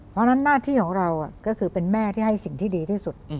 เพราะฉะนั้นหน้าที่ของเราก็คือเป็นแม่ที่ให้สิ่งที่ดีที่สุด